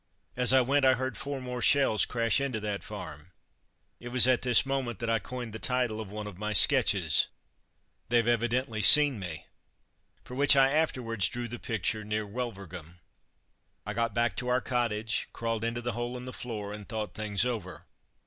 As I went I heard four more shells crash into that farm. It was at this moment that I coined the title of one of my sketches, "They've evidently seen me," for which I afterwards drew the picture near Wulverghem. I got back to our cottage, crawled into the hole in the floor, and thought things over.